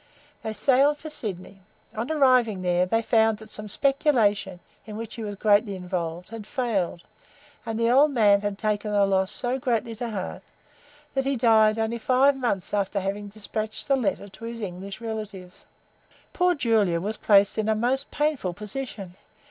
They sailed for Sydney. On arriving there, they found that some speculation, in which he was greatly involved, had failed; and the old man had taken the loss so greatly to heart, that he died only five months after having dispatched the letter to his English relatives. Poor Julia was placed in a most painful position.